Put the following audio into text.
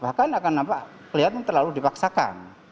bahkan akan nampak kelihatan terlalu dipaksakan